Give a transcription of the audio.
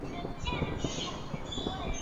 五月二十一日八国联军攻战大沽炮台。